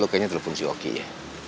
lo kayaknya telepon si oki ya